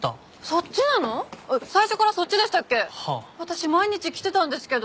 私毎日来てたんですけど。